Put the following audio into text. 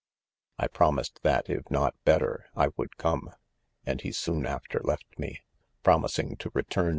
1 promised, that if not better I would come, f and he soon after left me, promising to return.